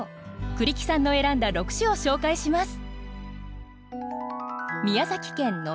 栗木さんの選んだ６首を紹介します。